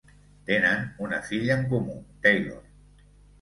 Tenen una filla en comú, Taylor.